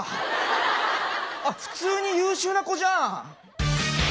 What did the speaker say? あ普通に優秀な子じゃん。